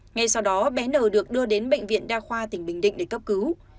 ngay sau đó bé n được đưa đến bệnh viện đa khoa tỉnh bình định để cấp cứu